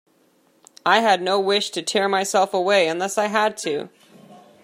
I had no wish to tear myself away unless I had to.